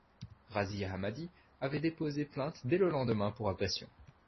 Razzy Hammadi avait déposé plainte dès le lendemain pour agression.